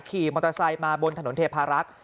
ขี่มอเตอร์ไซค์มาบนถนนเทพารักษ์